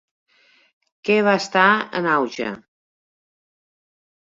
Què va estar en auge?